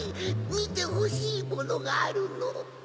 みてほしいものがあるの。